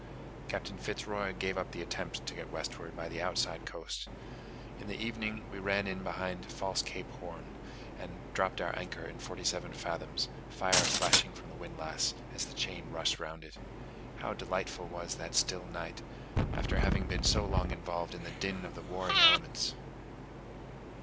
Captain Fitz Roy gave up the attempt to get westward by the outside coast. In the evening we ran in behind False Cape Horn, and dropped our anchor in forty seven fathoms, fire flashing from the windlass as the chain rushed round it. How delightful was that still night, after having been so long involved in the din of the warring elements!